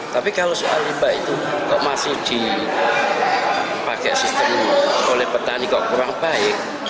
tapi kalau soal limbah itu kok masih dipakai sistem oleh petani kok kurang baik